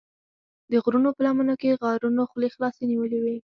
د غرونو په لمنو کې غارونو خولې خلاصې نیولې وې.